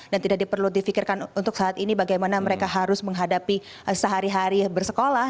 dan tidak perlu difikirkan untuk saat ini bagaimana mereka harus menghadapi sehari hari bersekolah